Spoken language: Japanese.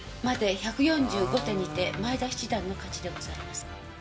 まで１４５手にて前田七段の勝ちでございます。